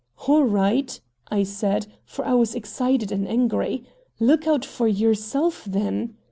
"All right," I said, for I was excited and angry, "look out for YOURSELF then!"